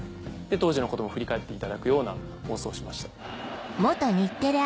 当時のことも振り返っていただくような放送をしました。